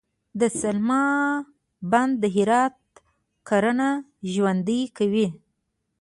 د سلما بند د هرات کرنه ژوندي کوي